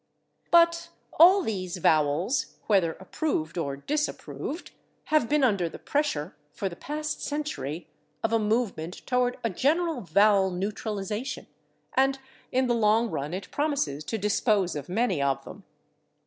But all these vowels, whether approved or disapproved, have been under the pressure, for the past century, of a movement toward a general vowel neutralization, and in the long run it promises to dispose of many of them.